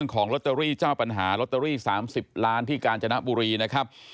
ของลอตเตอรี่เจ้าปัญหาลอตเตอรี่๓๐ล้านที่กาญจนบุรีนะครับ